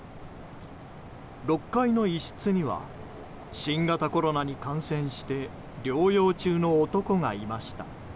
６階の一室には新型コロナに感染して療養中の男がいました。